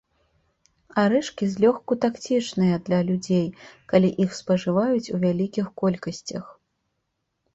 Арэшкі злёгку таксічныя для людзей калі іх спажываць у вялікіх колькасцях.